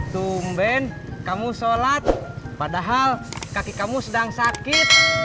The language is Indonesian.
tumben kamu sholat padahal kaki kamu sedang sakit